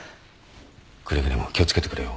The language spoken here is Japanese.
くれぐれも気を付けてくれよ。